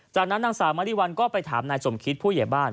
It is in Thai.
จากนั้นนางสาวมริวัลก็ไปถามนายสมคิตผู้ใหญ่บ้าน